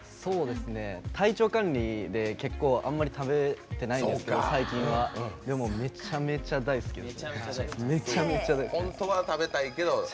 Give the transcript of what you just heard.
体調管理ってあんまり食べれてないんですがでも、めちゃめちゃ大好きです。